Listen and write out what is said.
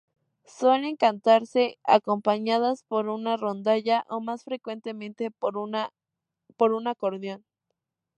Suelen cantarse acompañadas por una rondalla o más frecuentemente por un acordeón.